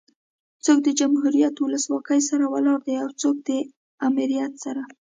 څوک د جمهوريت ولسواکي سره ولاړ دي او څوک ده امريت سره